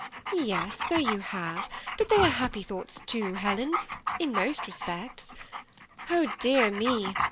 " Yes, so you have ; but they are happy thoughts too, Helen, in most respects. Oh, dear me